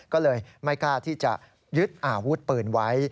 ก็เลยไม่กล้าที่จะยึดอาวุธปืนไว้